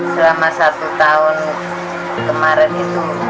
selama satu tahun kemarin itu